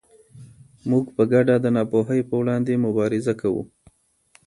موږ په ګډه د ناپوهۍ پر وړاندې مبارزه کوو.